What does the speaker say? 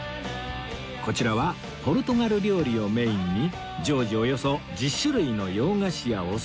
こちらはポルトガル料理をメインに常時およそ１０種類の洋菓子やお総菜を販売